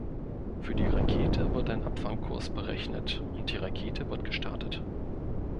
Für die Rakete wird ein Abfangkurs berechnet, und die Rakete wird gestartet.